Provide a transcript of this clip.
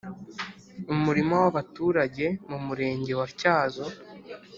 umurima w abaturage mu murenge wa tyazo